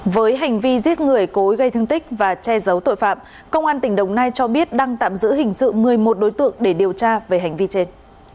với hành vi giết người cố gây thương tích và che giấu tội phạm công an tỉnh đồng nai cho biết đang tạm giữ hình sự một mươi một đối tượng để điều tra về hành vi trên